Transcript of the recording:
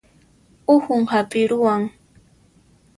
Uhun hap'iruwan